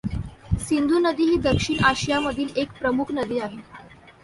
सिंधु नदी ही दक्षिण आशियामधील एक प्रमुख नदी आहे.